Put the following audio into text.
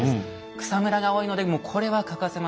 草むらが多いのでもうこれは欠かせません。